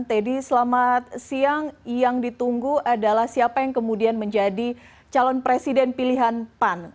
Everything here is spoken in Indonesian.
teddy selamat siang yang ditunggu adalah siapa yang kemudian menjadi calon presiden pilihan pan